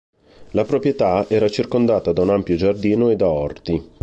La proprietà era circondata da un ampio giardino e da orti.